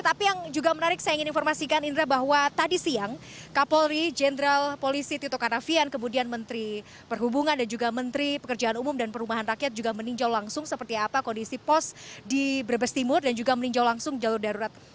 tapi yang juga menarik saya ingin informasikan indra bahwa tadi siang kapolri jenderal polisi tito karnavian kemudian menteri perhubungan dan juga menteri pekerjaan umum dan perumahan rakyat juga meninjau langsung seperti apa kondisi pos di brebes timur dan juga meninjau langsung jalur darurat